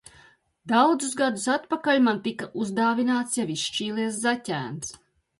Daudzus gadus atpakaļ man tika uzdāvināts jau izšķīlies zaķēns.